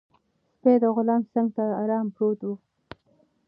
سپی د غلام څنګ ته ارام پروت و.